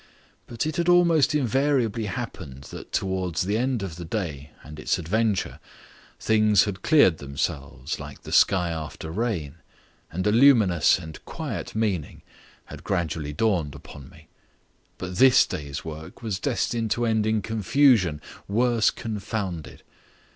But it had almost invariably happened that towards the end of the day and its adventure things had cleared themselves like the sky after rain, and a luminous and quiet meaning had gradually dawned upon me. But this day's work was destined to end in confusion worse confounded.